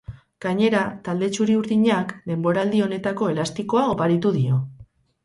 Gainera, talde txuri-urdinak denboraldi honetako elastikoa oparitu dio.